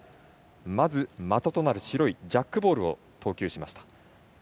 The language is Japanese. まず的となる白いジャックボールを投球しました。